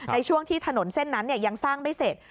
ในช่วงที่ถนนเส้นนั้นยังสร้างไม่เสร็จ